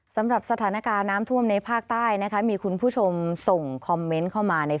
สำหรับสถานการณ์น้ำท่วมในภาคใต้นะคะมีคุณผู้ชมส่งคอมเมนต์เข้ามาใน